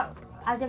di bawah di depan